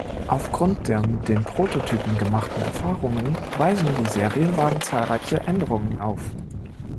Aufgrund der mit den Prototypen gemachten Erfahrungen weisen die Serienwagen zahlreiche Änderungen auf.